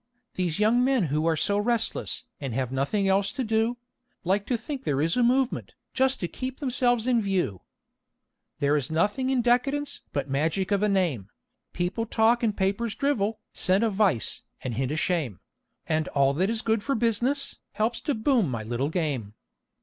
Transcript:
These young men who are so restless, and have nothing else to do, Like to think there is 'a movement,' just to keep themselves in view. "There is nothing in Decadence but the magic of a name. People talk and papers drivel, scent a vice, and hint a shame; And all that is good for business, helps to boom my little game."